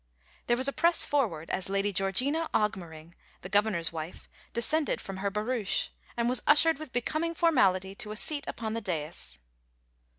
There was a press forward as I>ady Georgina Augmering, the Governor's wife, descended from her barouche, and was ushered with becoming formality to a seat upon the dais.